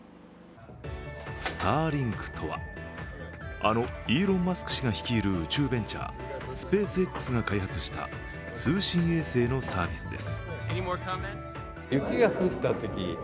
スターリンクとは、あのイーロン・マスク氏が率いる宇宙ベンチャー・スペースＸが開発した通信衛星のサービスです。